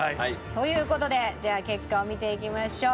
という事でじゃあ結果を見ていきましょう。